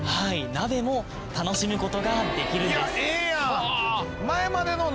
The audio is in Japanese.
鍋も楽しむ事ができるんです。